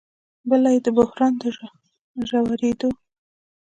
بله یې د بحران د ژورېدو